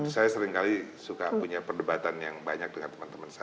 saya seringkali suka punya perdebatan yang banyak dengan tuhan